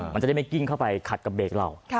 มันจะได้ไม่กิ้งเข้าไปขัดกับเบรกเรา